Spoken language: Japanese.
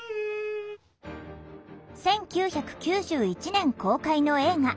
１９９１年公開の映画